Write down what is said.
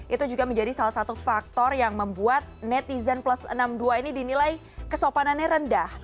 itu juga menjadi salah satu faktor yang membuat netizen plus enam puluh dua ini dinilai kesopanannya rendah